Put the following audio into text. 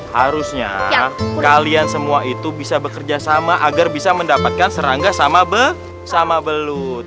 harusnya kalian semua itu bisa bekerja sama agar bisa mendapatkan serangga sama belut